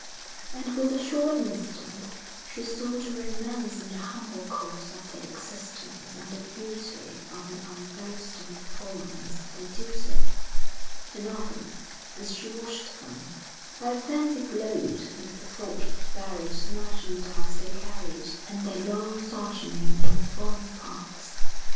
And with a sure instinct she saw the romance in the humble course of their existence and the beauty of an unboasting performance of their duty; and often, as she watched them, her fancy glowed with the thought of the varied merchandise they carried, and their long sojourning in foreign parts.